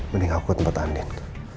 mending aku ikut tempat andin